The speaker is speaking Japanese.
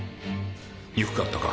憎かったか？